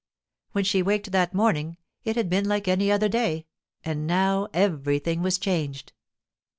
When she waked that morning it had been like any other day, and now everything was changed.